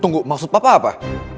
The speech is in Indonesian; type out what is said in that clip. tunggu maksud papa apa